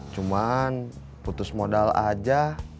cuman putus modal aja